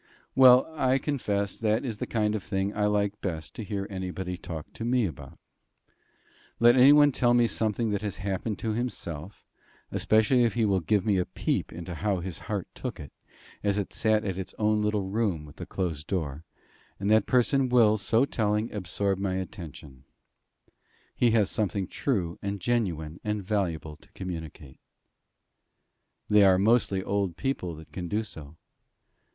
Well, I confess, that is the kind of thing I like best to hear anybody talk to me about. Let anyone tell me something that has happened to himself, especially if he will give me a peep into how his heart took it, as it sat in its own little room with the closed door, and that person will, so telling, absorb my attention: he has something true and genuine and valuable to communicate. They are mostly old people that can do so.